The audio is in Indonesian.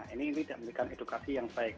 ini tidak memberikan edukasi yang baik